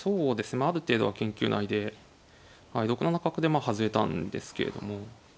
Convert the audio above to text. まあある程度は研究内で６七角で外れたんですけれども。